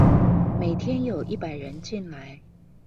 每天有一百人進來